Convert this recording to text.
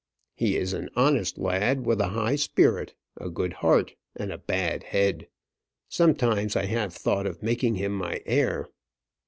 He is an honest lad, with a high spirit, a good heart, and a bad head. Sometimes I have thought of making him my heir."